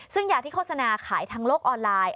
ซึ่งยาที่โฆษณาขายทางโลกออนไลน์